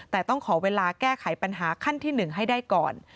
แต่ต้องขอเวลาแก้ไขปัญหาขั้นที่๑ให้ได้ก่อน